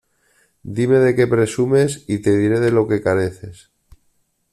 Dime de qué presumes y te diré de lo que careces.